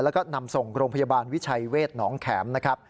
แล้วก็นำส่งโรงพยาบาลวิชัยเวทย์น้องแข็ม